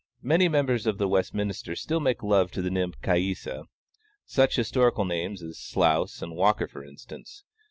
Many members of the Westminster still make love to the nymph Caïssa; such historical names as Slous and Walker for instance.